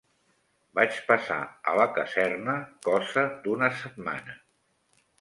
Vaig passar a la caserna cosa d'una setmana.